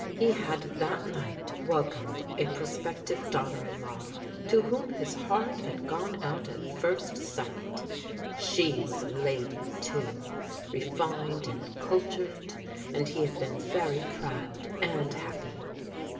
He had that night welcomed a prospective daughter in law, to whom his heart had gone out at first sigfaL She was a lad>% too, refined and cultured, and he had been very proud and happy.